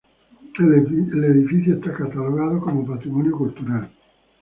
El edificio está catalogado como patrimonio cultural.